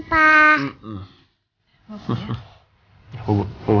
ya bubuk ya